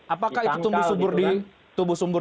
apakah itu tumbuh subur